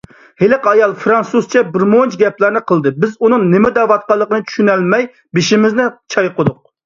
ھېلىقى ئايال فىرانسۇزچە بىرمۇنچە گەپلەرنى قىلدى. بىز ئۇنىڭ نېمە دەۋاتقانلىقىنى چۈشىنەلمەي بېشىمىزنى چايقىدۇق.